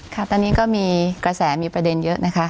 ค่ะตอนนี้ก็มีกระแสมีประเด็นเยอะนะคะ